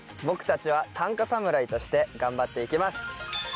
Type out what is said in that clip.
僕たちは短歌侍として頑張っていきます。